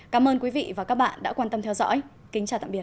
cảm ơn quý vị và các bạn đã quan tâm theo dõi kính chào tạm biệt